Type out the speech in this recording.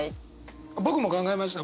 僕も考えました。